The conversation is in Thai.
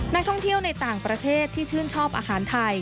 นักท่องเที่ยวในต่างประเทศที่ชื่นชอบอาหารไทย